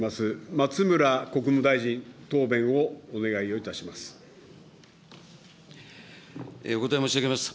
松村国務大臣、答弁をお願いをいたお答え申し上げます。